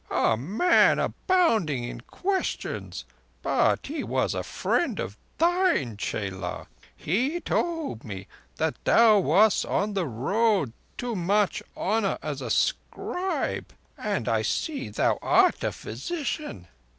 A man abounding in questions; but he was a friend of thine, chela. He told me that thou wast on the road to much honour as a scribe. And I see thou art a physician."